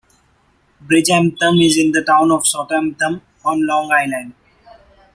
Bridgehampton is in the town of Southampton, on Long Island.